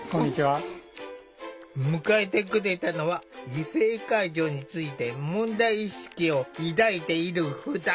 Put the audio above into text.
迎えてくれたのは異性介助について問題意識を抱いている２人。